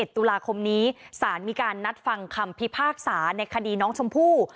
ตุลาคมนี้สารมีการนัดฟังคำพิพากษาในคดีน้องชมพู่